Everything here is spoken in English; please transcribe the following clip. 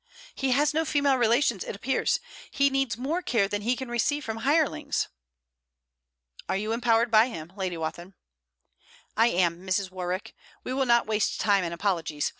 'He has no female relations, it appears. He needs more care than he can receive from hirelings.' 'Are you empowered by him, Lady Wathin?' 'I am, Mrs. Warwick. We will not waste time in apologies.